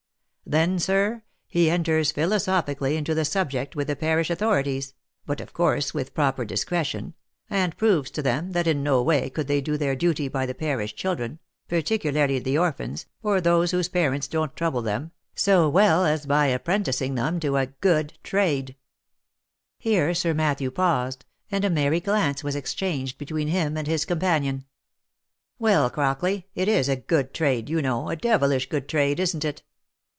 Then, sir, he enters philosophically into the subject with the parish authorities, but of course with proper dis cretion, and proves to them that in no way could they do their duty by the parish children, particularly the orphans, or those whose parents don't trouble them, so well as by apprenticing them to a good trade/' Here Sir Matthew paused, and a merry glance was exchanged between him and his companion. " Well, Crockley, it is a good trade, you know, a devilish good trade, isn't it